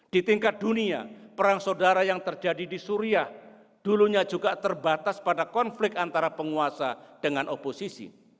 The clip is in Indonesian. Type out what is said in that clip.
di tingkat dunia perang saudara yang terjadi di suriah dulunya juga terbatas pada konflik antara penguasa dengan oposisi